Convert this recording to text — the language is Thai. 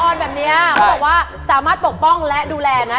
แบบนี้เขาบอกว่าสามารถปกป้องและดูแลนะ